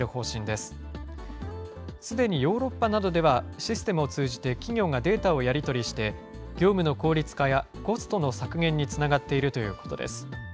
すでにヨーロッパなどではシステムを通じて企業がデータをやり取りして、業務の効率化やコストの削減につながっているということです。